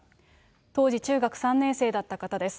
当時中学３年生だった方です。